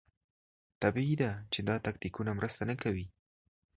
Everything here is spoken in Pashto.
طبیعي ده چې دا تکتیکونه مرسته نه کوي.